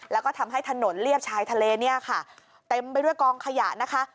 แล้วก็ทำให้ถนนเรียบชายทะเลเนี่ยค่ะเต็มไปด้วยกองขยะนะคะ